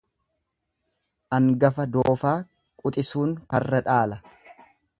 Angafa doofaa quxisuun karra dhaala.